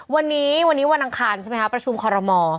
วันนี้วันนี้วันอังคารใช่ไหมคะประชุมคอรมอ